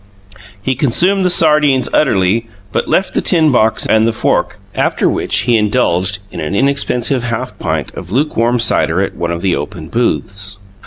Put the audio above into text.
He consumed the sardines utterly, but left the tin box and the fork, after which he indulged in an inexpensive half pint of lukewarm cider, at one of the open booths.